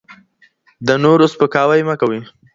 د نورو سپکاوی مه کوئ.